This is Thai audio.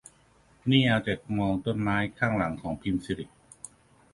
นี่เอาแต่มองต้นไม้ข้างหลังของพิมสิริ